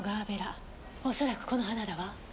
おそらくこの花だわ。